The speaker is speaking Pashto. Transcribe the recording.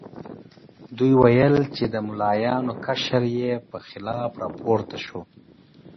دوی وویل چې د ملایانو قشر یې په خلاف راپورته شو.